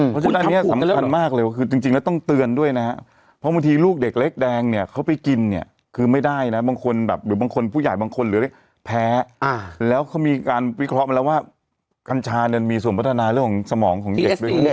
เพราะฉะนั้นอันนี้สำคัญมากเลยว่าคือจริงแล้วต้องเตือนด้วยนะฮะเพราะบางทีลูกเด็กเล็กแดงเนี่ยเขาไปกินเนี่ยคือไม่ได้นะบางคนแบบหรือบางคนผู้ใหญ่บางคนหรือเรียกแพ้แล้วเขามีการวิเคราะห์มาแล้วว่ากัญชาเนี่ยมีส่วนพัฒนาเรื่องของสมองของเด็กด้วย